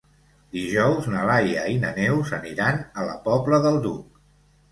Dijous na Laia i na Neus aniran a la Pobla del Duc.